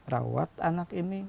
rawat anak ini